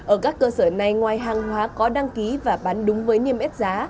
ở các cơ sở này ngoài hàng hóa có đăng ký và bán đúng với niêm yết giá